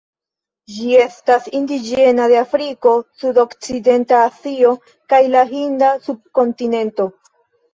Ĝi estas indiĝena de Afriko, Sudokcidenta Azio, kaj la Hinda subkontinento.